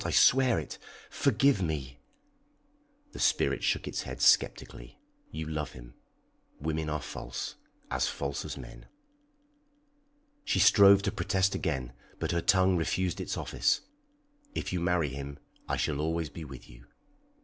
I swear it! Forgive me!" The spirit shook its head sceptically. "You love him. Women are false as false as men." She strove to protest again, but her tongue refused its office. "If you marry him, I shall always be with you!